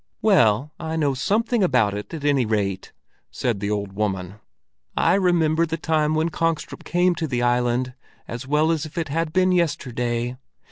"Well, I know something about it at any rate," said the old woman. "I remember the time when Kongstrup came to the island as well as if it had been yesterday.